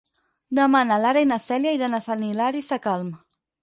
Demà na Lara i na Cèlia iran a Sant Hilari Sacalm.